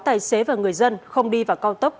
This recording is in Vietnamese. tài xế và người dân không đi vào cao tốc